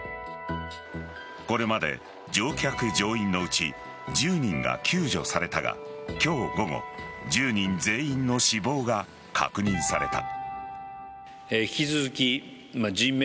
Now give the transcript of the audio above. これまで乗客・乗員のうち１０人が救助されたが今日午後１０人全員の死亡が確認された。